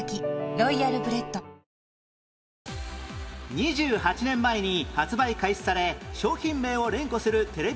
２８年前に発売開始され商品名を連呼するテレビ